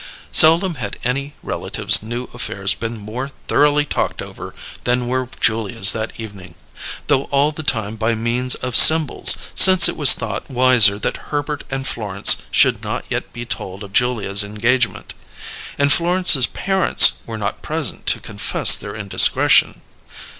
Seldom have any relative's new affairs been more thoroughly talked over than were Julia's that evening; though all the time by means of symbols, since it was thought wiser that Herbert and Florence should not yet be told of Julia's engagement; and Florence's parents were not present to confess their indiscretion.